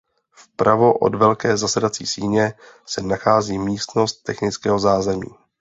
Vpravo od velké zasedací síně se nachází místnost technického zázemí.